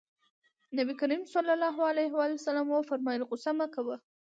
نبي کريم ص وفرمايل غوسه مه کوه.